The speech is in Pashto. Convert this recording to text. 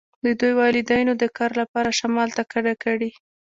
د دوی والدینو د کار لپاره شمال ته کډه کړې